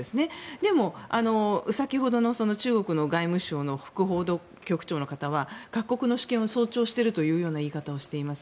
でも、先ほどの中国の外務省の副報道局長の方は各国の主権を尊重しているというような言い方をしています。